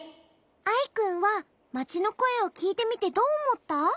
アイくんはまちのこえをきいてみてどうおもった？